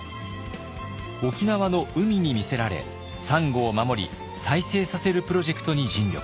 沖縄の海に魅せられサンゴを守り再生させるプロジェクトに尽力。